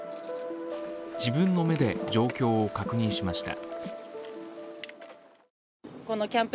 自分の目で状況を確認しました。